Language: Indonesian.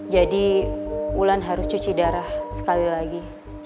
jadi wulan harus cuci darah sekali lagi